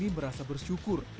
dia merasa bersyukur